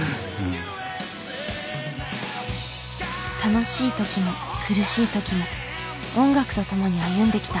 楽しい時も苦しい時も音楽とともに歩んできた。